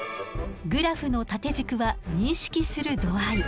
グラフの縦軸は認識する度合い。